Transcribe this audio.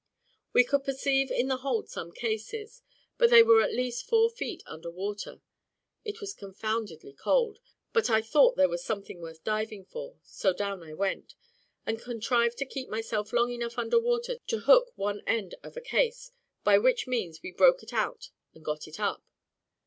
We could perceive in the hold some cases, but they were at least four feet under water. It was confoundedly cold; but I thought there was something worth diving for, so down I went, and contrived to keep myself long enough under water to hook one end of a case, by which means we broke it out and got it up.